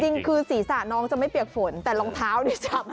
จริงคือศีรษะน้องจะไม่เปียกฝนแต่รองเท้าเนี่ยช้ำ